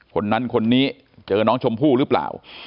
คนนั้นคนนี้เจอน้องชมพู่หรือเปล่า